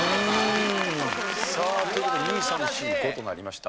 さあという事で２３４５となりました。